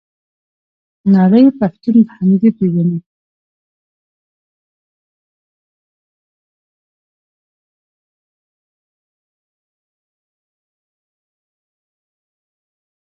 نړۍ پښتون په همدې پیژني.